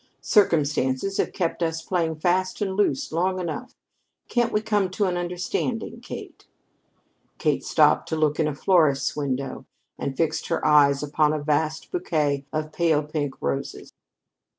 Circumstances have kept us playing fast and loose long enough. Can't we come to an understanding, Kate?" Kate stopped to look in a florist's window and fixed her eyes upon a vast bouquet of pale pink roses.